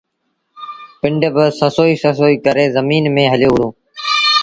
پنڊ با سسئيٚ سسئيٚ ڪري زميݩ ميݩ هليو وُهڙو۔